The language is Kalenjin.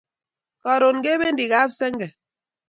Karon kependi kap senge